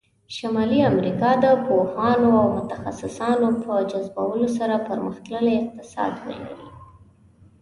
شمالي امریکا د پوهانو او متخصصانو په جذبولو سره پرمختللی اقتصاد ولری.